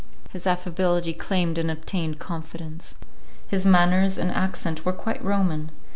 His affability claimed and obtained confidence. His manners and accent were quite Roman.